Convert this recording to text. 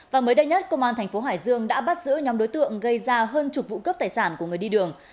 và mới đây nhất công an thành phố hải dương đã bắt giữ nhóm đối tượng gây ra hơn chục vụ cướp tài sản của người đi đường